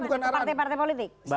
bukan partai partai politik